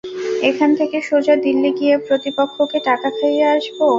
এখান থেকে সোজা দিল্লি গিয়ে প্রতিপক্ষকে টাকা খাইয়ে আসবো।